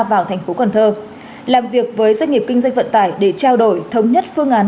vào thành phố cần thơ làm việc với doanh nghiệp kinh doanh vận tải để trao đổi thống nhất phương án